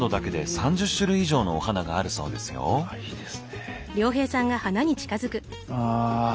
あいいですね。